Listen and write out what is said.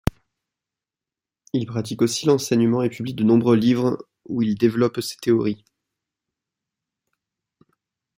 Il pratique aussi l'enseignement et publie de nombreux livres où il développe ses théories.